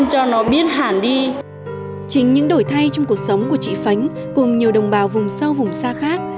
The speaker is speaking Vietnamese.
chính những đổi thay trong cuộc sống của chị phánh cùng nhiều đồng bào vùng sâu vùng xa khác